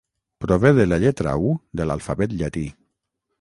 Prové de la lletra u de l'alfabet llatí.